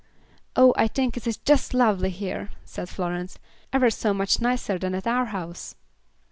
"Oh! I think it is just lovely here," said Florence. "Ever so much nicer than at our house."